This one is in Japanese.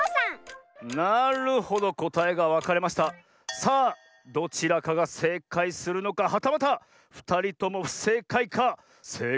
さあどちらかがせいかいするのかはたまたふたりともふせいかいか。